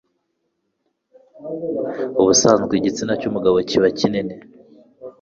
Ubusanzwe igitsina cy'umugabo kiba kinini